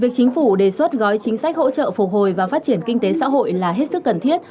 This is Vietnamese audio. việc chính phủ đề xuất gói chính sách hỗ trợ phục hồi và phát triển kinh tế xã hội là hết sức cần thiết